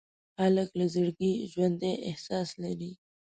هلک له زړګي ژوندي احساس لري.